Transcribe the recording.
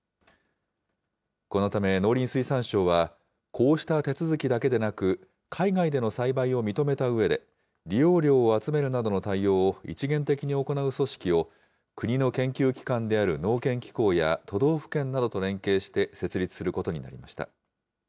このため、農林水産省はこうした手続きだけでなく、海外での栽培を認めたうえで、利用料を集めるなどの対応を一元的に行う組織を、国の研究機関である農研機構や都道府県などと連携して、設立することになりました。